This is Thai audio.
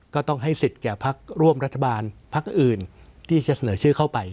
ก็ต้องให้สิทธิ์แก่พักร่วมรัฐบาลพักอื่นที่จะเสนอชื่อเข้าไป